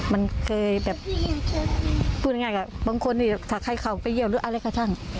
มันเคยแบบบางคนถักให้เขาไปเยี่ยวหรืออะไรกระทั่ง